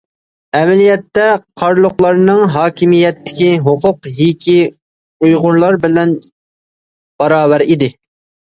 ئەمەلىيەتتە قارلۇقلارنىڭ ھاكىمىيەتتىكى ھوقۇق ھېكى ئۇيغۇرلار بىلەن باراۋەر ئىدى.